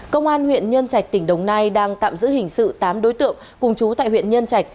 công an huyện nhân trạch tỉnh đồng nai đang tạm giữ hình sự tám đối tượng cùng chú tại huyện nhân trạch